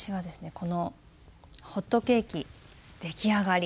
この「ホットケーキできあがり！」。